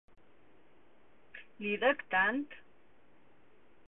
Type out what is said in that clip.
Li dec tant!